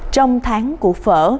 trong tháng của phở